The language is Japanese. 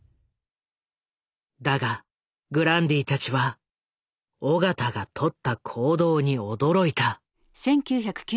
だがグランディたちは緒方がとった行動に驚いた。